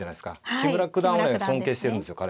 木村九段をね尊敬してるんですよ彼。